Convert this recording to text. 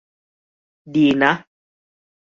ดีนะ